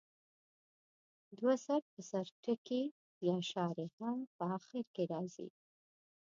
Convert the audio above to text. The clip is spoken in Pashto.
دوه سر په سر ټکي یا شارحه په اخر کې راځي.